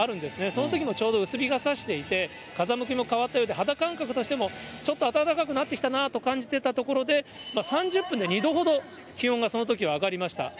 そのときもちょうど薄日がさしていて、風向きも変わったようで、肌感覚としてもちょっと暖かくなってきたなと感じてたところで、３０分で２度ほど気温がそのときは上がりました。